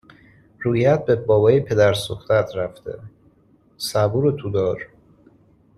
روحیهات به بابای پدر سوختهات رفته، صبور و تودار